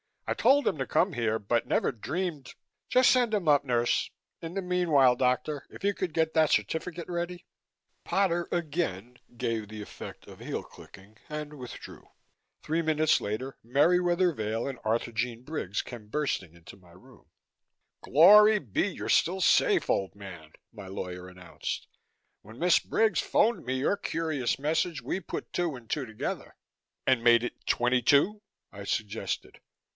I told him to come here but never dreamed just send him up, nurse. In the meanwhile, doctor, if you could get that certificate ready " Potter again gave the effect of heel clicking, and withdrew. Three minutes later Merriwether Vail and Arthurjean Briggs came bursting into my room. "Glory be, you're still safe, old man," my lawyer announced. "When Miss Briggs phoned me your curious message, we put two and two together." "And made it twenty two?" I suggested.